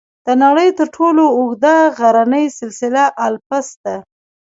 د نړۍ تر ټولو اوږده غرني سلسله الپس ده.